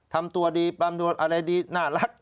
ทำตัวดีประมวลอะไรดีน่ารัก